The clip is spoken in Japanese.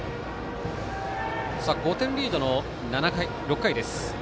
５点リードの６回です。